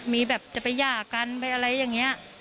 มีแบบจะไปหย่ากันไปอะไรอย่างนี้